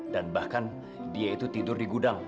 dan bahkan dia itu tidur di gudang